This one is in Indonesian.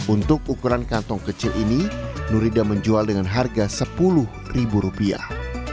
untuk ukuran kantong kecil ini nurida menjual dengan harga sepuluh ribu rupiah